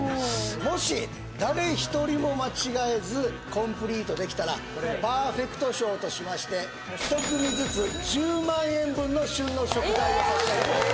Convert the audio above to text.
もし誰一人も間違えずコンプリートできたらパーフェクト賞としまして１組ずつ１０万円分の旬の食材を差し上げます